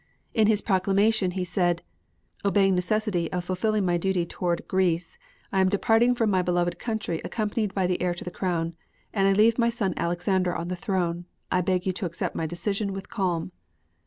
In his proclamation he said: Obeying necessity of fulfilling my duty toward Greece, I am departing from my beloved country accompanied by the heir to the crown, and I leave my son Alexander on the throne. I beg you to accept my decision with calm.